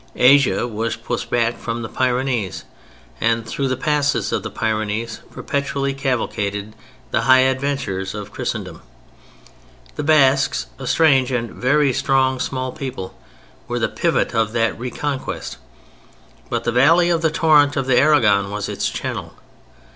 Asia was pushed back from the Pyrenees, and through the passes of the Pyrenees perpetually cavalcaded the high adventurers of Christendom. The Basques—a strange and very strong small people—were the pivot of that reconquest, but the valley of the torrent of the Aragon was its channel.